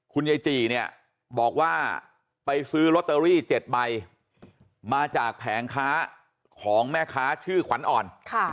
คุณยายจีเนี่ยบอกว่าไปซื้อลอตเตอรี่๗ใบมาจากแผงค้าของแม่ค้าชื่อขวัญอ่อน